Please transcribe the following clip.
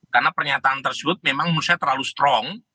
karena pernyataan tersebut memang menurut saya terlalu strong